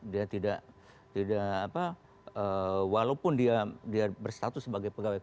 dia tidak walaupun dia berstatus sebagai pegawai